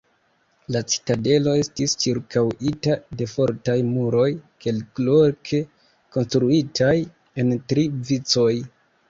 La citadelo estis ĉirkaŭita de fortaj muroj kelkloke konstruitaj en tri vicoj.